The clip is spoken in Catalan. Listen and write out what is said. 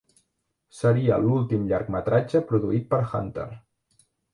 Seria l'últim llargmetratge produït per Hunter.